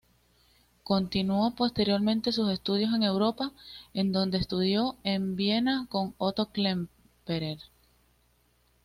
Continuó posteriormente sus estudios en Europa, en donde estudió en Viena con Otto Klemperer.